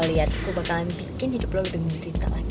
lo liat gue bakalan bikin hidup lo lebih menderita lagi